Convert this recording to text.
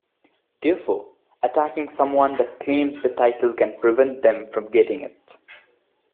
Therefore, attacking someone that claims the title can prevent them from getting it.